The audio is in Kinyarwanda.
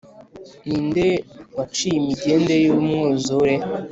Ni nde waciye imigende y’umwuzure